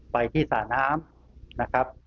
ไปที่สระน้ำนะครับ